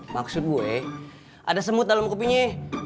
maksud gue ada semut dalam kopinya